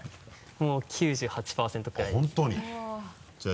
もう９８％くらいですね。